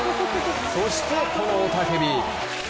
そして、この雄たけび。